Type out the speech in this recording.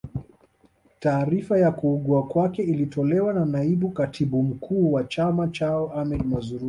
Taarifa ya kuugua kwake ilitolewa na naibu katibu mkuu wa chama chao Ahmed Mazrui